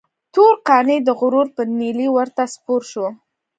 تور قانع د غرور پر نيلي ورته سپور شو.